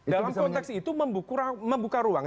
dalam konteks itu membuka ruang